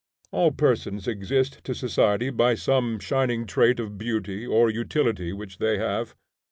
All persons exist to society by some shining trait of beauty or utility which they have.